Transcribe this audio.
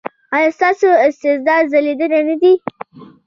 ایا ستاسو استعداد ځلیدلی نه دی؟